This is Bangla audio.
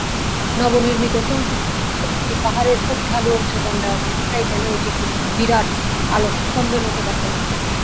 নবনির্মিত সংযোজনটি পাহাড়ের খুব ঢালু অংশে দণ্ডায়মান থাকায় যেন একটি বিরাট আলোকস্তম্ভের মত দেখাইত।